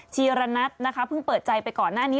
ธีรณัทนะคะเพิ่งเปิดใจไปก่อนหน้านี้